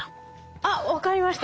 あっ分かりました。